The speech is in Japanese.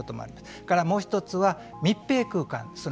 それから、もう一つは密閉空間。